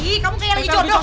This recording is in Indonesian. ih kamu kayak lagi condong